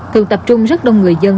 thường tập trung rất đông người dân